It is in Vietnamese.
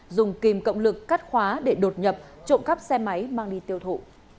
dùng kìm cộng lực cắt khóa để đột nhập trộm cắp xe máy mang đi tiêu thụ